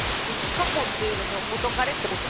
過去っていうのは元カレってことっすか？